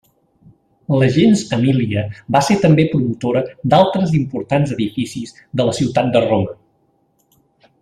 La gens Emília va ser també promotora d'altres importants edificis de la ciutat de Roma.